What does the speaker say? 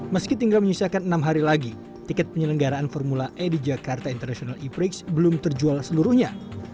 meski tinggal menyisakan enam hari lagi tiket penyelenggaraan formula e di jakarta international e prix belum terjual seluruhnya